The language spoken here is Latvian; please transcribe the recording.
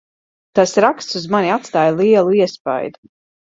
Tas raksts uz mani atstāja lielu iespaidu.